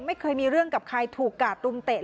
ไม่เคยมีเรื่องกับใครถูกกาดตุมเตะ